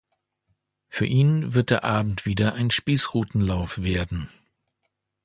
Für ihn wird der Abend wieder ein Spießrutenlauf werden.